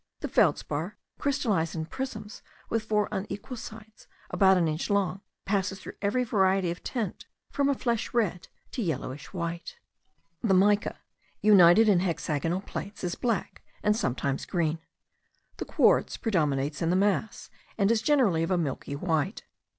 The feldspar, crystallized in prisms with four unequal sides, about an inch long, passes through every variety of tint from a flesh red to yellowish white. The mica, united in hexagonal plates, is black, and sometimes green. The quartz predominates in the mass; and is generally of a milky white.